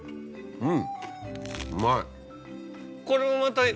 うん。